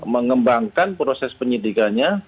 mengembangkan proses penyidikannya